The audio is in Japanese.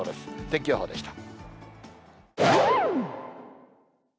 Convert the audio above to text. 天気予報でした。